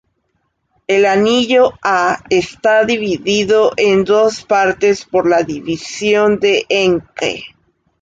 El anillo A está dividido en dos partes por la división de Encke.